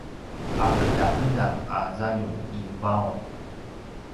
’apedapedang a zaljum i vaung